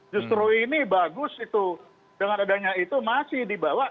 justru ini bagus itu dengan adanya itu masih dibawa